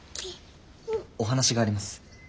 お話があります。